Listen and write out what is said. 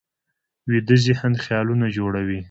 ویده ذهن خیالونه جوړوي